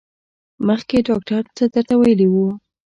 مخکې ډاکټر څه درته ویلي وو؟